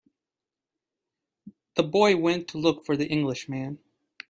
The boy went to look for the Englishman.